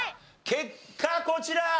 結果こちら。